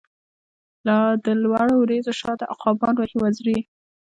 لادلوړو وریځو شاته، عقابان وهی وزری